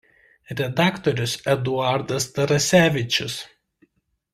Redaktorius Eduardas Tarasevičius.